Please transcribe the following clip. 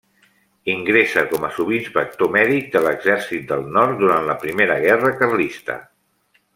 Ingressa com a subinspector mèdic de l'Exèrcit del nord durant la primera guerra carlista.